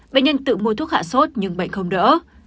bệnh nhân tự mua thuốc hạ sốt nhưng bệnh không đỡ